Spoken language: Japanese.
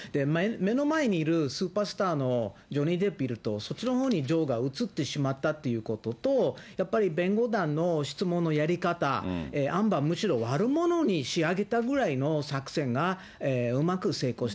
目の前にいるスーパースターのジョニー・デップいるとそっちのほうに情が移ってしまったっていうことと、やっぱり弁護団の質問のやり方、アンバー、むしろ悪者に仕上げたぐらいの作戦がうまく成